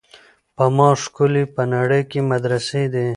په ما ښکلي په نړۍ کي مدرسې دي